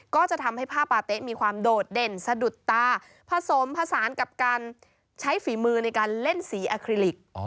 ก็จะทำให้ผ้าปาเต๊ะมีความโดดเด่นสะดุดตาผสมผสานกับการใช้ฝีมือในการเล่นสีอาคลิลิก